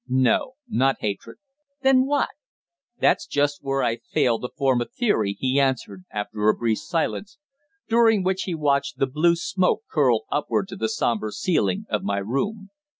"No, not hatred." "Then what?" "That's just where I fail to form a theory," he answered, after a brief silence, during which he watched the blue smoke curl upward to the sombre ceiling of my room.